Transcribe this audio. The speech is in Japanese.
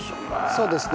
そうですね